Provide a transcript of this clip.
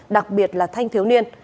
đặc biệt là thanh thiếu niên